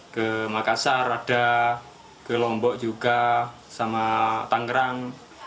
ke makassar ada ke lombok juga sama tangerang